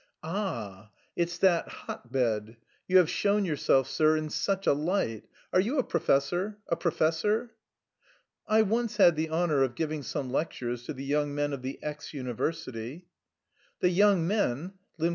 "A a ah! It's... that hotbed... You have shown yourself, sir, in such a light.... Are you a professor? a professor?" "I once had the honour of giving some lectures to the young men of the X university." "The young men!"